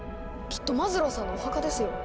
きっとマズローさんのお墓ですよ！